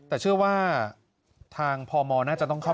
พ่อไปฟังหน่อยครับ